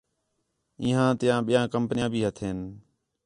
انہیاں تیاں ٻِیا کمپنیاں بھی ہتھیں